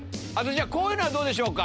こういうのはどうでしょうか？